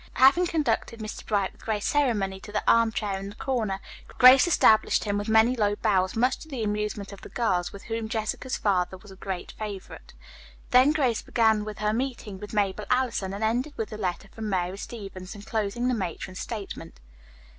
Having conducted Mr. Bright with great ceremony to the arm chair in the corner, Grace established him with many low bows, much to the amusement of the girls, with whom Jessica's father was a great favorite. Then Grace began with her meeting with Mabel Allison and ended with the letter from Mary Stevens, enclosing the matron's statement.